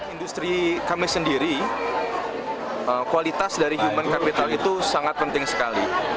industri kami sendiri kualitas dari human capital itu sangat penting sekali